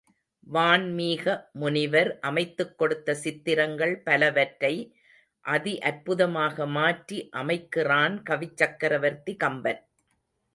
வான்மீக முனிவர் அமைத்துக் கொடுத்த சித்திரங்கள் பலவற்றை, அதி அற்புதமாக மாற்றி அமைக்கிறான் கவிச்சக்ரவர்த்தி கம்பன்.